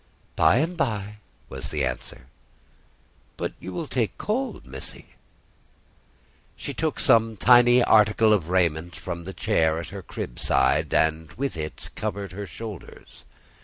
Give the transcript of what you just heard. "By and by," was the answer. "But you will take cold, Missy." She took some tiny article of raiment from the chair at her crib side, and with it covered her shoulders.